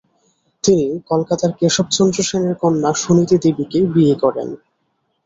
তিনি কলকাতার কেশবচন্দ্র সেনের কন্যা সুনীতি দেবীকে বিয়ে করেন।